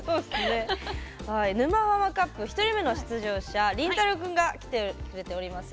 「沼ハマカップ」１人目の出場者リンタロウ君が来てくれております。